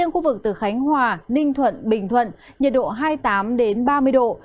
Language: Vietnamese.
khu vực từ khánh hòa ninh thuận bình thuận nhiệt độ hai mươi tám ba mươi độ